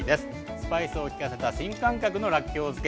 スパイスを利かせた新感覚のらっきょう漬け。